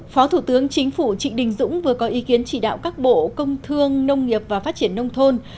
phó thủ tướng chính phủ trịnh đình dũng vừa có ý kiến chỉ đạo các bộ công thương nông nghiệp và phát triển nông thôn